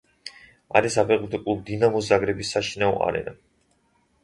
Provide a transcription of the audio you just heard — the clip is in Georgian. არის საფეხბურთო კლუბ „დინამო ზაგრების“ საშინაო არენა.